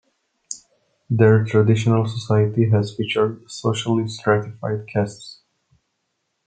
Their traditional society has featured socially stratified castes.